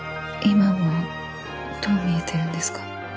今はどう見えてるんですか？